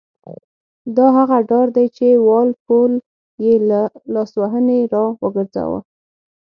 دا هغه ډار دی چې وال پول یې له لاسوهنې را وګرځاوه.